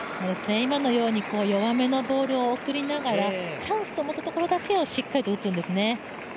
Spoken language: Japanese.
今のように弱めのボールを送りながら、チャンスと思ったところだけをしっかりと打つんですね。